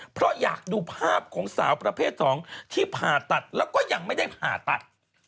เพราะอยากดูภาพของสาวประเภท๒ที่ผ่าตัดแล้วก็ยังไม่ได้ผ่าตัด